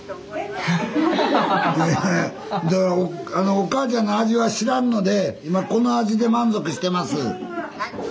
おかあちゃんの味は知らんので今この味で満足してます。